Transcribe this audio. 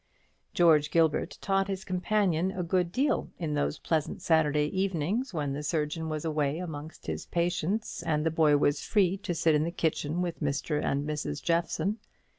George Gilbert taught his companion a good deal in those pleasant Saturday evenings, when the surgeon was away amongst his patients, and the boy was free to sit in the kitchen with Mr. and Mrs. Jeffson.